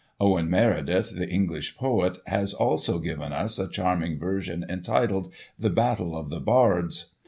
Owen Meredith, the English poet, has also given us a charming version entitled "The Battle of the Bards."